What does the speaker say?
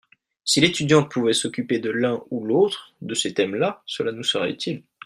si l'étudiante pouvait s'occuper de l'un ou l'autre de ces thèmes-là cela nous serait utile.